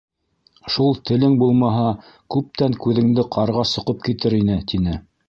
Шул телең булмаһа, күптән күҙеңде ҡарға соҡоп китер ине, — тине.